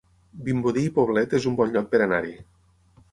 Vimbodí i Poblet es un bon lloc per anar-hi